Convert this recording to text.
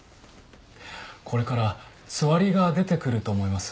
これからつわりが出てくると思います。